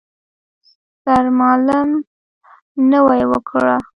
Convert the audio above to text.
سرمالم نوې وکړه.